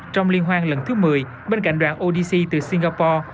trong liên hoan lần thứ một mươi bên cạnh đoàn odc từ singapore